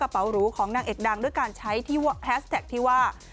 พรของนางเอกดังด้วยการใช้แฮสแท็กที่ว่า